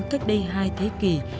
cách đây hai thế kỷ